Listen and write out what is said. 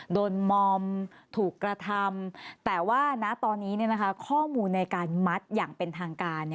มอมถูกกระทำแต่ว่าณตอนนี้ข้อมูลในการมัดอย่างเป็นทางการ